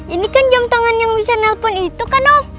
ini kan jam tangan yang bisa nelpon itu kan om